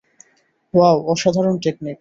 Wow অসাধারণ technique.